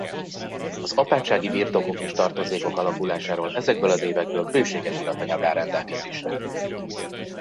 Az apátsági birtokok és tartozékok alakulásáról ezekből az évekből bőséges iratanyag áll rendelkezésre.